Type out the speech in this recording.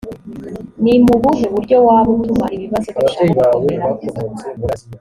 ni mu buhe buryo waba utuma ibibazo birushaho gukomera